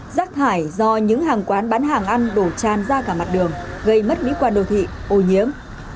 rác thải do những hàng quán bán hàng ăn đổ tràn ra cả mặt đường gây mất mỹ quan đô thị ô nhiễm